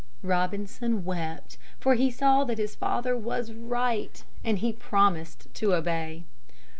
Robinson wept, for he saw that his father was right, and he promised to obey.